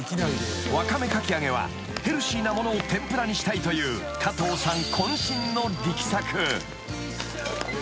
［ワカメかき揚げはヘルシーなものを天ぷらにしたいという加藤さん］